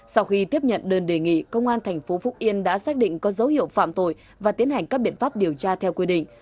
sau khi tiếp nhận đơn đề nghị công an tp phúc yên đã xác định có dấu hiệu phạm tội và tiến hành các biện pháp điều tra theo quy định